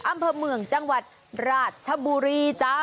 อำเภอเมืองจังหวัดราชบุรีจ้า